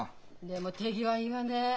でも手際いいわね。